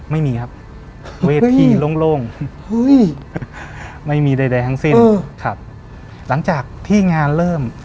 ไม่มีครับเวทีโล่งไม่มีใดทั้งสิ้นครับหลังจากที่งานเริ่ม